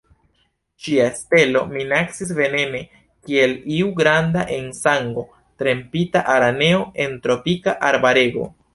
Ŝia stelo minacis venene kiel iu granda en sango trempita araneo el tropika arbarego.